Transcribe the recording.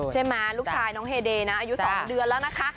ใช่ไหมลูกชายน้องเฮเดย์นะอายุ๒เดือนแล้วนะคะ